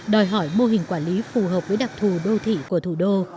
đòi hỏi mô hình quản lý phù hợp với đặc thù đô thị của thủ đô